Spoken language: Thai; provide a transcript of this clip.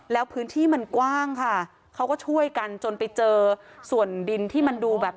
แล้วพื้นที่มันกว้างค่ะเขาก็ช่วยกันจนไปเจอส่วนดินที่มันดูแบบ